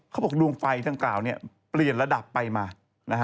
เขาบอกดวงไฟทั้งกล่าวเนี่ยเปลี่ยนระดับไปมานะฮะ